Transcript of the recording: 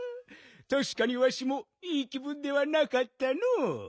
たしかにわしもいい気ぶんではなかったのう。